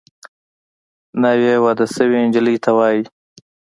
ناوې واده شوې نجلۍ ته وايي